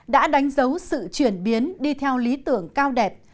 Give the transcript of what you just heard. đã đánh dấu sự chuyển biến đi theo lý tưởng cao đẹp